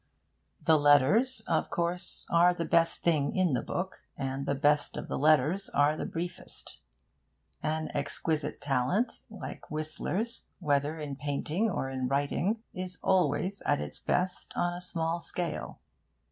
The letters, of course, are the best thing in the book, and the best of the letters are the briefest. An exquisite talent like Whistler's, whether in painting or in writing, is always at its best on a small scale.